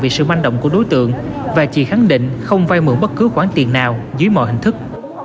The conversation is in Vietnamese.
về sự manh động của đối tượng và chị khẳng định không vay mượn bất cứ khoản tiền nào dưới mọi hình thức